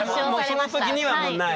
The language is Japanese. その時にはもうない？